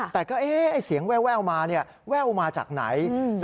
แต่ก็เอ๊ะเสียงแววมาแว่วมาจากไหน